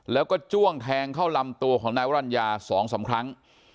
แล้วก็จ้วงแทงเข้าลำตัวของนายวรรณญา๒๓ครั้ง